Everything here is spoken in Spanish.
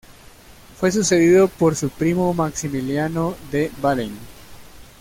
Fue sucedido por su primo Maximiliano de Baden.